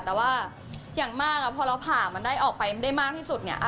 แต่ว่าอย่างมากพอเราผ่ามันได้ออกไปได้มากที่สุดเนี่ย